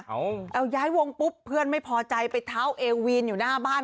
เอาย้ายวงปุ๊บเพื่อนไม่พอใจไปเท้าเอวีนอยู่หน้าบ้าน